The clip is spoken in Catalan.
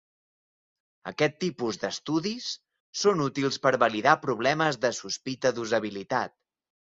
Aquest tipus d'estudis són útils per validar problemes de sospita d'usabilitat.